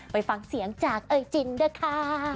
ไปฟังเสียงจากเอ่ยจินด้วยค่ะ